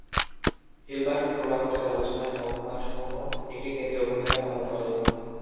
Hilbert রূপান্তরের আলোচনায় মুখ্য মানসমূহ একটি কেন্দ্রীয় ভূমিকা পালন করে।